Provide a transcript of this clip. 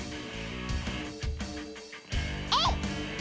えい！